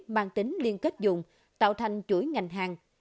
mang tính liên kết dùng tạo thành chuỗi ngành hàng